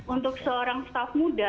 untuk seorang staff muda